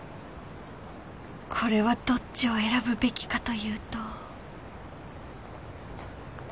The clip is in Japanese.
これはどっちを選ぶべきかというと